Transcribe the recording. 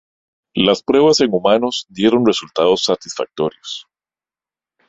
Las pruebas en humanos dieron resultados satisfactorios.